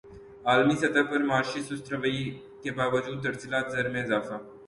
عالمی سطح پر معاشی سست روی کے باوجود ترسیلات زر میں اضافہ